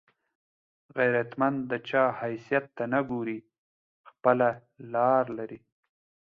غیرتمند د چا حیثیت ته نه ګوري، خپله لار لري